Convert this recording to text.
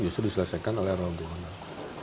justru diselesaikan oleh relawan gubernur